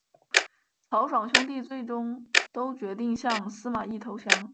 曹爽兄弟最终都决定向司马懿投降。